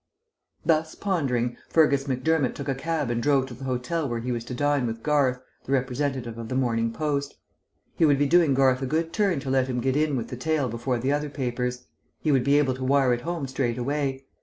Thus pondering, Fergus Macdermott took a cab and drove to the hotel where he was to dine with Garth, the representative of the Morning Post. He would be doing Garth a good turn to let him get in with the tale before the other papers; he would be able to wire it home straight away.